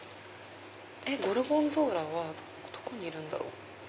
ゴルゴンゾーラはどこにいるんだろう？